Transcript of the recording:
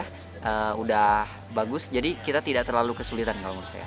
sudah bagus jadi kita tidak terlalu kesulitan kalau menurut saya